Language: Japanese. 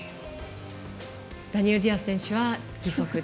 ダニエル・ディアス選手は義足で。